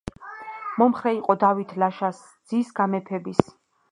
მომხრე იყო დავით ლაშას ძის გამეფების.